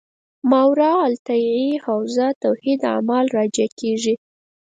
ماورا الطبیعي حوزه توحید اعمال راجع کېږي.